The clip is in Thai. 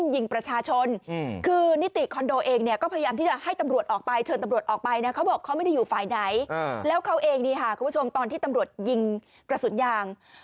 อยู่ไหนแล้วเขาเองคุณผู้ชมตอนที่ตำรวจยิงกระสุนยาง